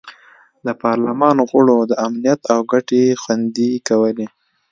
د پارلمان غړو د امنیت او ګټې خوندي کولې.